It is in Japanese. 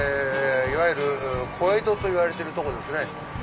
いわゆる小江戸といわれてるとこですね。